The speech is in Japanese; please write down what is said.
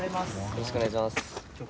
よろしくお願いします。